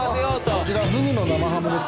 こちらフグの生ハムです。